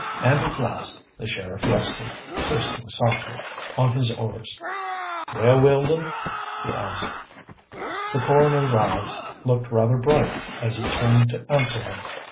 And at last the sheriff rested, cursing softly, on his oars. "Well, Weldon?" he asked. The coroner's eyes looked rather bright as he turned to answer him.